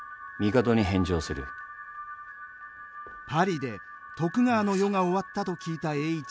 パリで徳川の世が終わったと聞いた栄一。